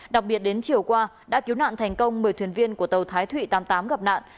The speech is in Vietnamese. đặc biệt đến chiều qua đã cứu nạn thành công một mươi thuyền viên của tàu thái thụy tám mươi tám gặp nạn